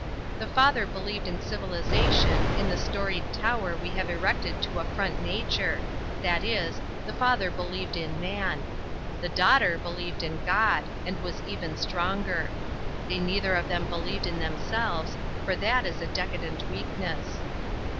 The father believed in civilization, in the storied tower we have erected to affront nature; that is, the father believed in Man. The daughter believed in God; and was even stronger. They neither of them believed in themselves; for that is a decadent weakness.